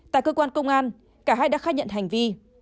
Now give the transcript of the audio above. tại cơ quan công an cả hai đã khai nhận hành vi